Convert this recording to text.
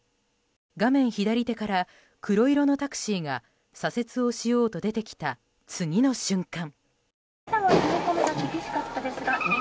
画面左手から黒色のタクシーが左折をしようと出てきた次の瞬間。